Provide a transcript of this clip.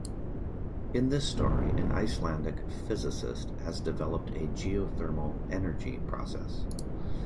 In this story, an Icelandic physicist has developed a geothermal energy process.